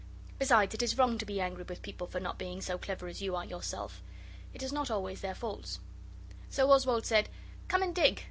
Besides, it is wrong to be angry with people for not being so clever as you are yourself. It is not always their faults. So Oswald said, 'Come and dig!